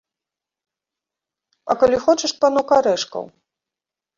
А калі хочаш, панок, арэшкаў?